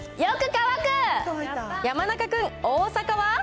山中君、大阪は？